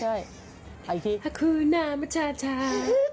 ฮัคคูนามชาชา